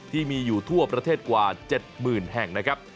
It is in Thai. ที่มีอยู่ทั่วประเทศกว่า๗๐๐แห่งนะครับ